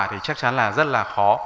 thì chắc chắn là rất là khó